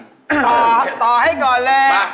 ต่อให้ก่อนเลย